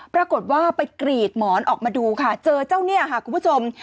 ปรากฏว่าไปกรีดหมอนออกมาดูค่ะเจอเจ้าเนี่ยค่ะคุณผู้ชม